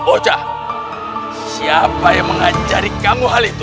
oja siapa yang mengajari kamu hal itu